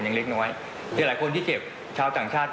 มันมีโอกาสเกิดอุบัติเหตุได้นะครับ